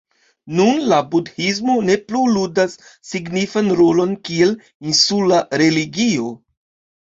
Nun la budhismo ne plu ludas signifan rolon kiel insula religio.